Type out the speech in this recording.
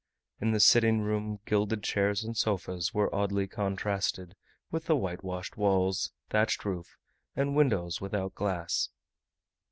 In the sitting room gilded chairs and sofas were oddly contrasted with the whitewashed walls, thatched roof, and windows without glass.